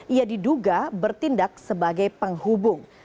ia diduga bertindak sebagai penghubung